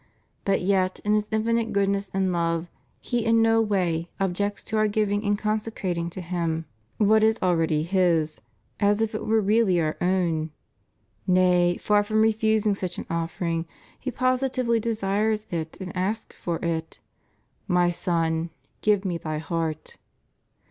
But yet, in His infinite goodness and love, He in no way objects to our giving and consecrating to Him what is already His, as if it were really our own; nay, far from refusing such an offering. He positively desires it and asks for it: "My son, give Me thy heart."